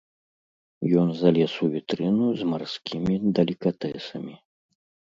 Ён залез у вітрыну з марскімі далікатэсамі.